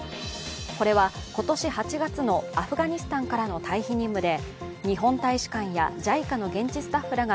これは、今年８月のアフガニスタンからの退避任務で日本大使館やＪＩＣＡの現地スタッフらが